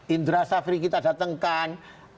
indra safri kita datangkan